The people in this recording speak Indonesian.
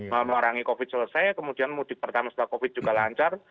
melarangi covid selesai kemudian mudik pertama setelah covid juga lancar